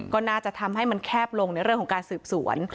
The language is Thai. ก็น่าจะทำให้มันแคบลงในเรื่องของการสืบสวน